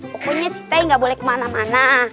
pokoknya sih teh gak boleh kemana mana